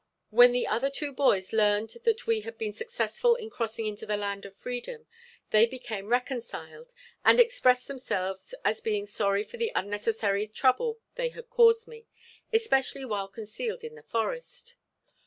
When the other two boys learned that we had been successful in crossing into the land of freedom, they became reconciled, and expressed themselves as being sorry for the unnecessary trouble they had caused me, especially while concealed in the forest.